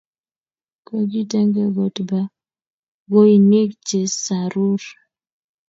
Kokitege kot bakoinik chesarur